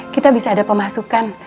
kita bisa ada pemasukan